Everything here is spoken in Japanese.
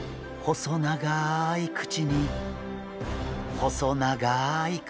細長い口に細長い体。